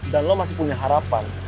dan lo masih punya harapan